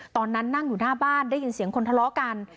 ตอนนั้นนั่งอยู่หน้าบ้านได้ยินเสียงคนทะเลาะกัน